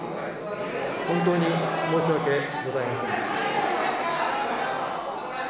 本当に申し訳ございませんでした。